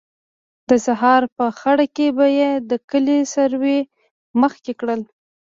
د سهار په خړه کې به یې د کلي څاروي مخکې کړل.